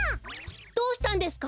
どうしたんですか？